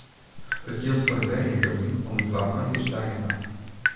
It jild foar de werynrjochting fan de doarpen is byinoar.